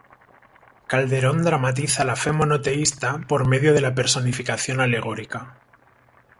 Calderón dramatiza la fe monoteísta por medio de la personificación alegórica.